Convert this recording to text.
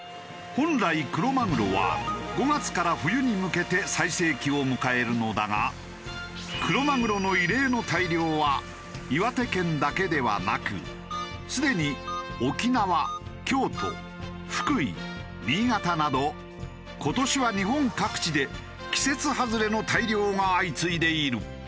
本来クロマグロは５月から冬に向けて最盛期を迎えるのだがクロマグロの異例の大漁は岩手県だけではなくすでに沖縄京都福井新潟など今年は日本各地で季節外れの大漁が相次いでいる。